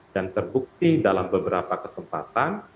dan terbukti dalam beberapa kesempatan